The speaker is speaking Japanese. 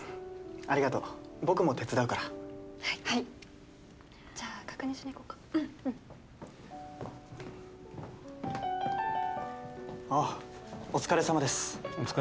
ありがとう僕も手伝うからはいじゃあ確認しにいこっかうんあっお疲れさまですお疲れ